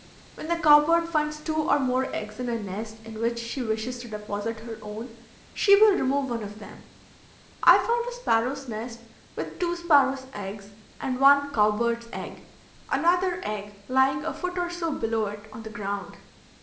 When the cow bird finds two or more eggs in a nest in which she wishes to deposit her own, she will remove one of them. I found a sparrow's nest with two sparrow's eggs and one cow bird's egg, another egg lying a foot or so below it on the ground.